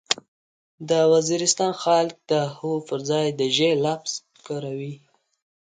د وزيرستان خلک د هو پرځای د ژې لفظ کاروي.